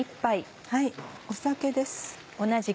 酒です。